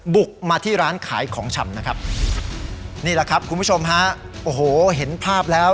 บุกมาที่ร้านขายของชำนะครับนี่แหละครับคุณผู้ชมฮะโอ้โหเห็นภาพแล้ว